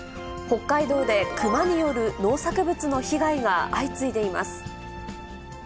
北海道でクマによる農作物の被害が相次いでいます。